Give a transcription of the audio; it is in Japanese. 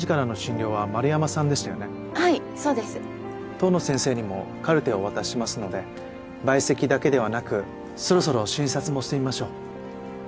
遠野先生にもカルテをお渡ししますので陪席だけではなくそろそろ診察もしてみましょう。